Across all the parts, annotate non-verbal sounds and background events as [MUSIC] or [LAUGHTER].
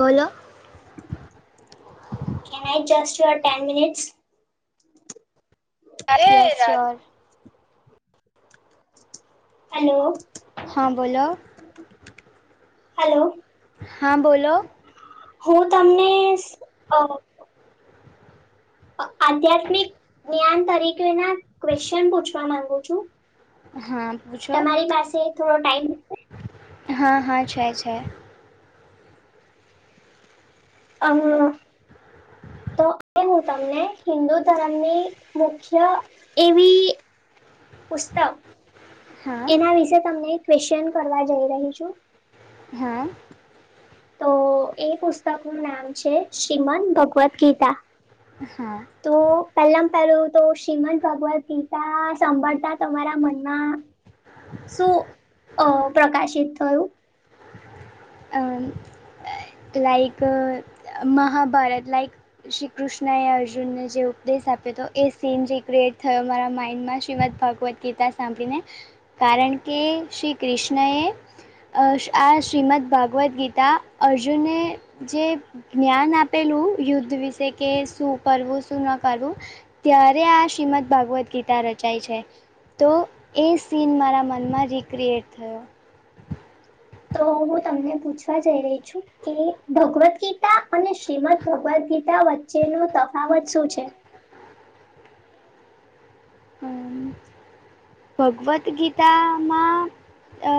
બોલો. Can it just you are ten minutes. અરે ર હેલો. હા બોલો. હલો. હા બોલો. હું તમને અ. અ આધ્યાત્મિક જ્ઞાન તરીકે ના ક્વેશ્ચન પૂછવા માંગુ છું. હા પુછો. તમારી પાસે થોડો ટાઈમ. હા હા છે છે. આમ તો એ હું તમને હિન્દુ ધર્મની મુખ્ય એવી પુસ્તક હા એના વિશે તમને એક ક્વેશચન કરવા જઈ રહી છું. હા. તો એ પુસ્તક નું નામ છે શ્રીમન ભગવદ્ ગીતા. હા. તો પહેલામ પેલું તો શ્રીમંત ભગવદ ગીતા સાંભળતા તમારા મનમાં શું અ પ્રકાશિત થયું. અ like uh Mahabharat like. Shri Krishna એ અર્જુનને જે ઉપદેશ આપ્યો હતો એ સીન રીક્રિએટ થયો મારા માઇન્ડમાં શ્રીમદ ભાગવત ગીતા સાંભળીને કારણ કે શ્રી કૃષ્ણ એ અ આ શ્રીમદ ભગવદ્ ગીતા અર્જુને જે જ્ઞાન આપ પેલું યુદ્ધ વિશે કે શૂ કરવું શું ન કરવું ત્યારે આ શ્રીમદ ભાગવદ્ ગીતા રચાય છે. તો એ સીન મારા મનમાં રિક્રિએટ થયો. તો હું તમને પૂછવા જઈ રહી છું. કે ભગવદ ગીતા અને શ્રીમદ ભગવદ ગીતા વચ્ચે નો તફાવત શું છે? હમ ભગવદ ગીતામાં. અ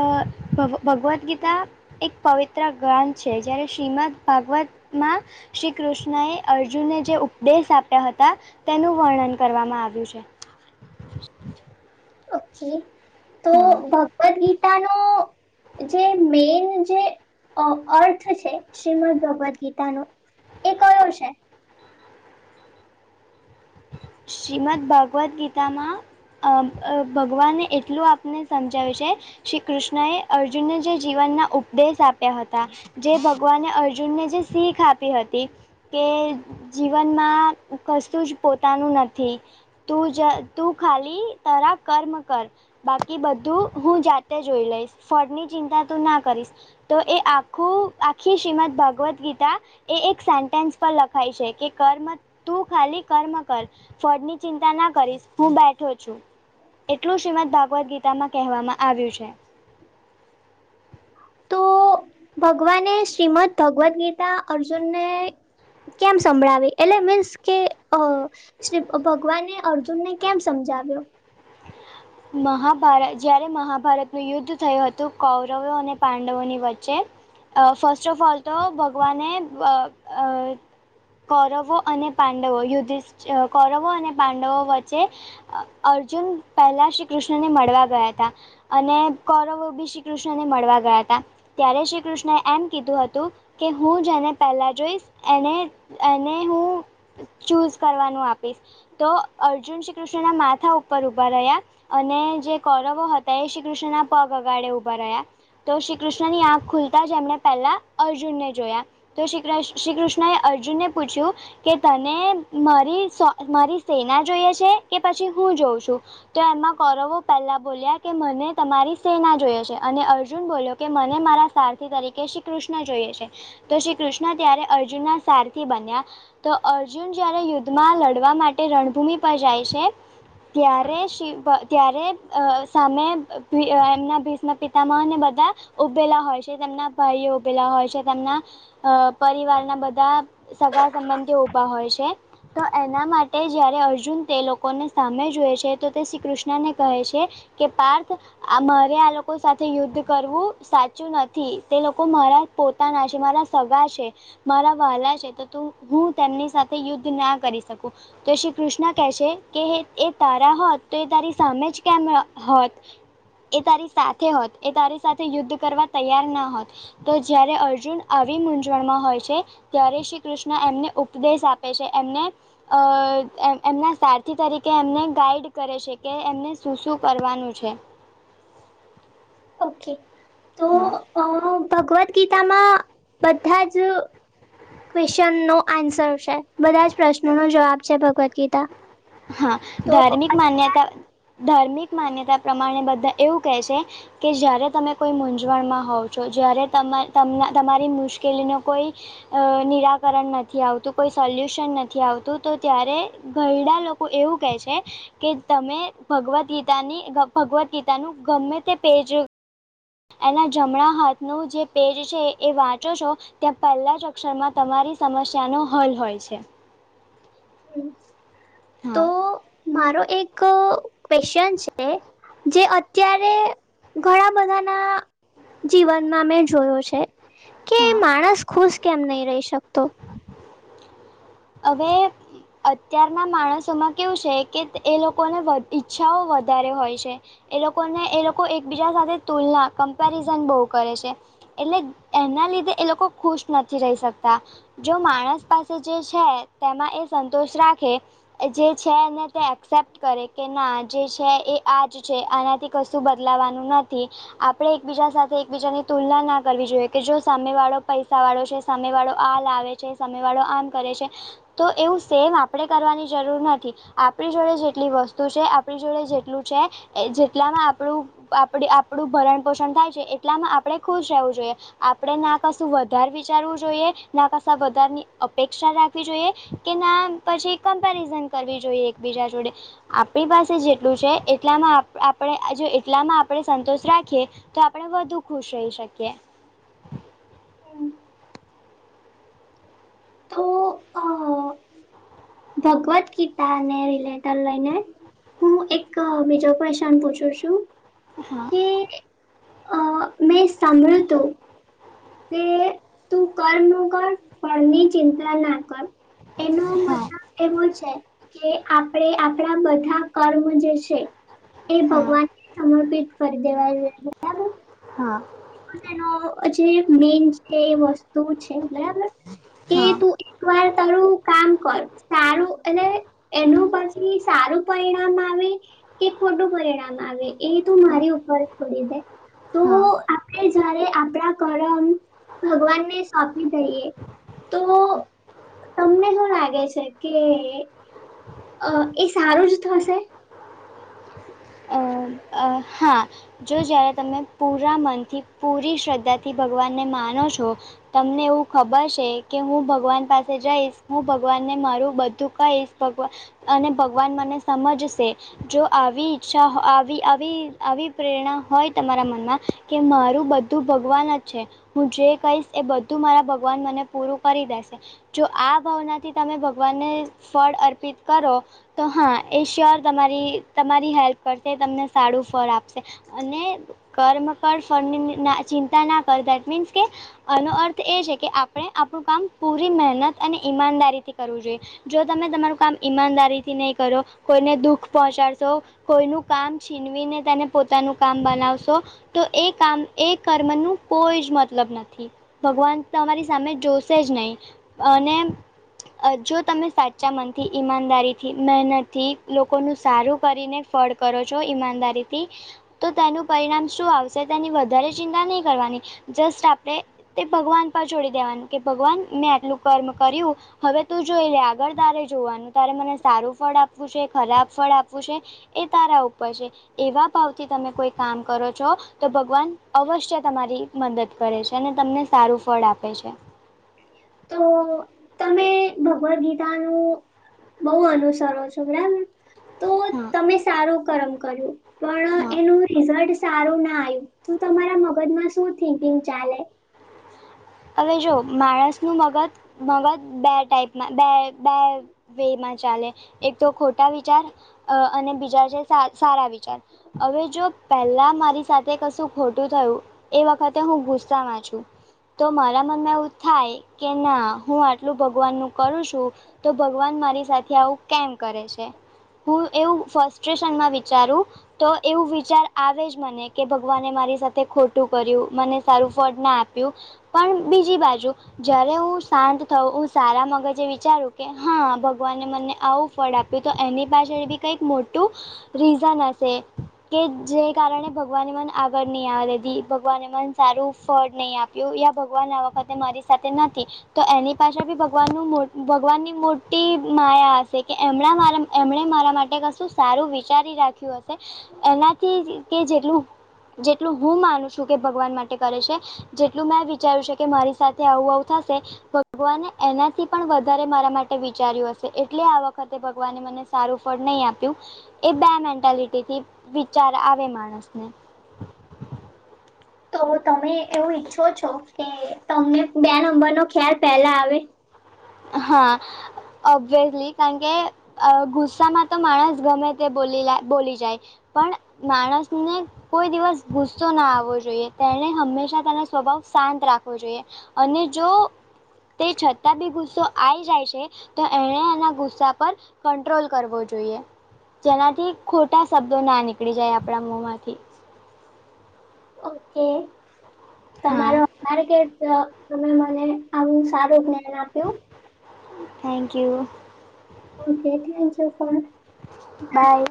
ભવ ભગવદ ગીતા એક પવિત્ર ગ્રંથ છે જયારે શ્રીમદ ભાગવત માં શ્રી કૃષ્ણએ અર્જુનને જે ઉપદેશ આપ્યા હતા. તેનું વર્ણન કરવામાં આવ્યું છે. [INAUDIBLE] ઓકે તો હા ભગવદ ગીતા નો જે મેન જે અર્થ છે. શ્રીમદ ભગવદ ગીતાનો એ કયો છે? શ્રીમદ ભગવદ ગીતામાં ભગવાને એટલું આપને સમજાવ્યું છે. શ્રી કૃષ્ણએ અર્જુનને જે જીવનના ઉપદેશ આપ્યા હતા. જે ભગવાને અર્જુનને જે શીખ આપી હતી. કે જીવનમાં કશું જ પોતાનું નથી. તું જ તું ખાલી તારા કર્મ કર. બાકી બધું હું જાતે જોઈ લઈશ, ફળની ચિંતા તું ના કરીશ. તો એ આખું આખી શ્રીમદ ભાગવદ ગીતા એ એક સેન્ટેન્સ પર લખાય છે કે કર્મ તું ખાલી કર્મ કર ફળની ચિંતા ના કરીશ. હું બેઠો છું એટલું શ્રીમદ ભાગવદ ગીતા એના કહેવામાં આવ્યું છે. [INAUDIBLE] તો ભગવાને શ્રીમદ ભગવદ ગીતા અર્જુનને કેમ સંભળાવી? એટલે મીન્સ કે શ્રી ભગવાને અર્જુનને કેમ સમજાવ્યો? મહાભારત જયારે મહાભારતનું યુદ્ધ થયું હતું. કૌરવો અને પાંડવોની વચ્ચે ફર્સ્ટ ઓફ ઓલ તો ભગવાને અ કૌરવો અને પાંડવો યુધિષ્ઠ કૌરવો અને પાંડવો વચ્ચે અર્જુન પહેલા શ્રી કૃષ્ણને મળવા ગયા હતા. અને કૌરવો બી શ્રી કૃષ્ણને મળવા ગયા હતા ત્યારે શ્રી કૃષ્ણ ને એમ કીધું હતું કે હું જેને પહેલાં જોઈશ એને એને હું. ચૂઝ કરવાનું આપીશ તો અર્જુન શ્રી કૃષ્ણના માથા ઉપર ઊભા રહ્યા. અને જે કૌરવો હતા એ શ્રીકૃષ્ણના પગ અગાડે ઊભા રહ્યા તો શ્રી કૃષ્ણ ની આંખ ખુલતા જેમણે પહેલા અર્જુનને જોયા. તો શ્રી શ્રી કૃષ્ણ એ અર્જુનને પૂછ્યું. કે તને મારી સો મારી સેના જોઈએ છે કે પછી હું જોઉં છું? તો એમાં કૌરવો પહેલા બોલ્યા કે મને તમારી સેના જોઈએ છે અને અર્જુન બોલ્યો કે મને મારા સારથી તરીકે શ્રી કૃષ્ણ જોઈએ છે. તો શ્રી કૃષ્ણ ત્યારે અર્જુનના સારથી બન્યા. તો અર્જુન જયારે યુદ્ધમાં લડવા માટે. તે રણભૂમિ પર જાય છે. ત્યારે શિવ ત્યારે સામે ભી એમના ભીષમપિતામા અને બધા ઉભેલા હોય છે તેમના ભાઈઓ ઉભેલા હોય છે. તેમના અ પરિવારના બધા સગા સંબંધીઓ ઊભા હોય છે. તો એના માટે જયારે અર્જુન તે લોકોને સામે જૂએ છે તો તે શ્રી કૃષ્ ક્ને કહે છે કે પાર્થ આ મારે આ લોકો સાથે યુદ્ધ કરવું સાચુંખ નથી તે લોકો મારા પોતાના છે ે મારા સગા છે. મારા વાલા છે, તો હું તેમની સાથે યુદ્ધ ના કરી શકું. તો શ્રી કૃષ્ણ, કે છે કે એ તારા હોત તો એ તારી સામે જ કેમ હોત? એ તારી સાથે હોત, એ તારી સાથે યુદ્ધ કરવા તૈયાર ના હોત. તો જયારે અર્જુન આવી મૂંઝવણમાં હોય છે. ત્યારે શ્રી કૃષ્ણ, એમને ઉપદેશ આપે છે. એમને અ એ એમના સારથી તરીકે એમને ગાઈડ કરે છે. કે એમને શું, શું કરવાનું છે? ઓકે. તો હા. અ ભગવદ્ ગીતામાં બધા જ ક્વેશ્ચનનો આન્સર છે. બધા જ પ્રશ્નોનો જવાબ છે, ભગવદ્ ગીતા. હા, તો ધાર્મિક માન્યતા ધાર્મિક, માન્યતા પ્રમાણે બધા એવું કહે છે કે જ્યારે તમે કોઈ મૂંઝવણમાં હોવ છો, જ્યારે તને તમારી મુશ્કેલીનો કોઈ- અ નિરાકરણ નથી આવતું, કોઈ સોલ્યુશન નથી આવતું તો, ત્યારે ઘરડા લોકો- એવું કહે છે! કે તમે ભગવદ ગીતાની ભગવદ્ ગીતાનું ગમે તે પેજ એના જમણા હાથનું જે પેજ છે એ વાંચો છો? ત્યાં પહેલા જ અક્ષરમાં તમારી સમસ્યાનો હલ હોય છે. હમ્મ હા. મારો એક ક્વેશચન છે? જે અત્યારે ઘણા બધાના જીવનમાં મે જોયો છે, કે હા માણસ ખુશ કેમ નહી રહી શકતો? હવે અત્યારના માણસોમાં કેવું છે કે એ લોકોને ઈચ્છાઓ વધારે હોય છે. એ લોકોને એ લોકો એકબીજા સાથે તુલના, કમ્પેરિઝન બહુ કરે છે. એટલે એના લીધે એ લોકો ખુશ નથી રહી શકતા. જો માણસ પાસે જે છે, તેમાં એ સંતોષ રાખે. જે છે ને તે એસેપ્ટ કરે. કે ના જે છે, એ આ જ છે, આનાથી કશું બદલાવાનું નથી. આપણે એકબીજા સાથે એકબીજાની તુલના ના કરવી જોઈએ કે જો સામે વાળો પૈસા વાળો છે, સામે વાળો આ લાવે છે, સામે વાળો આમ કરે છે. તો એવું સેમ આપ. આપણે કરવાની જરૂર નથી. આપણી જોડે જેટલી વસ્તુ છે, આપણી જોડે જેટલું છે. એ જેટલામાં આપણું, આપણું ભરણ પોષણ થાય છે. એટલામાં આપણે ખુશ રહેવું જોઈએ. આપણે ના કશું વધારે વિચારવું જોઈએ, ના કશા વધારની અપેક્ષા વી જોઈએ, કે ના પછી કમ્પેરિઝન કરવી જોઈએ એકબીજા જોડે આપણી પાસે જેટલું છે, એટલામાં આપણે જો એટલામાં આપણે સંતોષ રાખીએ. તો આપણે વધુ ખુશ રહી શકીએ. હમ્મ તો અ ભગવદ ગીતાને રિલેટર લઈને હું એક બીજો ક્વેશન પૂછું છું? હા. કે અ મેં સાંભળ્યું તું કે તું કરનું કર પણની ચિંતા ના કર. એનો હા મતબલ એવું છે, કે આપણે આપણા બધા કર્મ જે છે. એ હા ભગવાનને સમર્પિત કરી દેવા જોઈએ. બરાબર હા એનો જે મેન કે એ વસ્તુ છે બરાબર કે હા તું એક વાર તારું કામ કર. સારું અને એનું પછી સારું પરિણામ આવે કે ખોટું પરિણામ આવે એ તું મારી ઉપર છોડી દે. હા. કે જયારે આપણા કરમ ભગવાનને સોંપી દઈએ. તો તમને શું લાગે છે કે. અ એ સારું જ થશે? અ આ. હા. જો જ્યારે તમે પૂરા મનથી પૂરી શ્રદ્ધાથી ભગવાનને માનો છો. તમને એવું ખબર છે કે હું ભગવાન પાસે જઈશ હું ભગવાનને મારું બધું કહીશ. ભગવા અને ભગવાન મને સમજશે જો આવી ઈચ્છા આવી આવી આવી પ્રેરણા હોય તમારા મનમાં કે મારું બધું તું ભગવાન જ છે હું જે કહીશ એ બધું મારા ભગવાન મને પૂરું કરી દેશે. જો આ ભાવનાથી તમે ભગવાનને ફળ અર્પિત કરો. તો હા એ શ્યોર તમારી તમારી હેલ્પ કરશે તમને સાડુ આપસે અને કર્મ કર ફળ ની ની ના ચિતા ના કર દેટ મીન્સ કે આનો અર્થ એ છે કે આપણે આપણું કામ પૂરી મહેનત અને ઈમાનદારીથી કરવું જોઈએ. જો તમે તમારું કામ ઈમાનદારીથી નહીં કરો કોઈને દુઃખ પહોંચાડશો કોઈનું કામ છીનવીને તેને પોતાનું કામ બનાવશો. તો એ કામ એ કર્મનું કોઈ જ મતલબ નથી. ભગવાન તમારી સામે જોશે જ નહીં. અને જો તમે સાચા મનથી ઈમાનદારી થી મહેનતથી લોકોનું સારું કરીને ફળ કરો છો ઈમાનદારી તો તેનું પરિળામ શું આવશે તેની વધારે ચિંતા નહી કરવાની જસ્ટ. આપણે તે ભગવાન પર છોડી દેવાનું કે ભગવાન મેં આટલું કર્મ કર્યું. હવે તું જોઈ લે આગળ તારે જોવાનું તારે મને સારું ફળ આપવું છે, ખરાબ ફળ આપવું છે. એ તારા ઉપર છે. એવા ભાવથી તમે કોઈ કામ કરો છો તો ભગવાન અવશ્ય તમારી મદદ કરે છે અને તમને સારું ફળ આપે છે. તો તમે ભગવદ્ ગીતાનું. બહુ અનુસરો છો બરાબર. તો હા તમે સારો કર્મ કર્યો પણ હા એનું રિઝલ્ટ સારું ના આવ્યું તું તમારા મગજમાં શું થિકિંગ ચાલે? હવે જો માણસનું મગજ મગજ બે ટાઈપમાં બે બે વે માં ચાલે એક તો ખોટા વિચાર અ અને બીજા છે સા સારા વિચાર. હવે જો પહેલા મારી સાથે કશું ખોટું થયું એ વખતે હું ગુસ્સામાં છું. તો મારા મનમાં એવું થાય કે ના હું આટલું ભગવાનનું કરું છું. તો ભગવાન મારી સાથે આવું કેમ કરે છે. હું એવું ફસ્ટ્રેશનમાં વિચારું તો એવું વિચાર આવે જ મને કે ભગવાને મારી સાથે ખોટું કર્યું મને સારું ફળ ના આપ પણ બીજી બાજુ જ્યારે હું શાંત થવુ હું સારા મગજે વિચારું કે હા ભગવાનને મને આવું ફળ આપ્યું તો એની પાછળ બી કંઈક મોટું રીઝન હશે. કે જે કારણે ભગવાનને મને આગળ નહી આવે દેતી ભગવાને મન સારું ફળ નઈ આપ્યું. ભગવાન આ વખતે મારી સાથે નથી. તો એની પાછળ ભી ભગવાનનું મો ભગવાનની મોટી માયા હશે કે એમણા મારા એમણે મારા માટે કશું સારું વિચારી રાખ્યું હશે એનાથી કે જેટલું જેટલું હું માનું છું કે ભગવાન માટે કરે છે જેટલું મેં કે વિચાર્યું વિશે મારી સાથે આવું આવું થશે. ભગવાને એનાથી પણ વધારે મારા માટે વિચાર્યું હશે એટલે આ વખતે ભગવાને મને. સારું ફળ નહીં આપ્યું એ બે મેન્ટાલિટીથી વિચાર આવે માણસને. તો તમે એવું ઈચ્છો છો કે તમને બે નંબરનો ખ્યાલ પહેલા આવે. હા ઓબયસલી કારણ કે અ ગુસ્સામાં તો માણસ ગમે તે બોલી લે બોલી જાય પણ માણસને કોઈ દિવસ ગુસ્સો ના આવવો જોઈએ તેને હંમેશા તેનો સ્વભાવ શાંત રાખવો જોઈએ. અને જો તે છતાં બી ગુ ગુસ્સો આઈ જાય છે તો એને એના ગુસ્સા પર કંટ્રોલ કરવો જોઈએ. જેનાથી ખોટા શબ્દો ના નીકળી જાય આપણા મોમાંથી. ઓકે હા તમારો આભાર કે ત તમે મને આવું સારું જ્ઞાન આપ્યું. Thank you. Okay thank you for by.